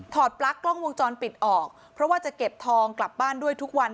ปลั๊กกล้องวงจรปิดออกเพราะว่าจะเก็บทองกลับบ้านด้วยทุกวัน